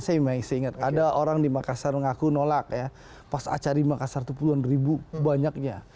saya ingat ada orang di makassar mengaku nolak ya pas acara di makassar itu puluhan ribu banyaknya